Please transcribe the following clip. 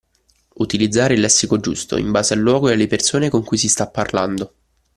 Utilizzare il lessico giusto, in base al luogo e alle persone con cui si sta parlando